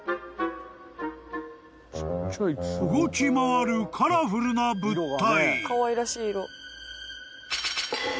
［動き回るカラフルな物体］